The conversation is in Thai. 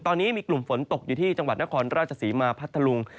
ตอนนี้มีกลุ่มฝนตกอยู่ที่จังหวัดนครราชศรีมาพัทธลุง